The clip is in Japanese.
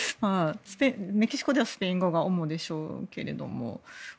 メキシコではスペイン語が主でしょうけど。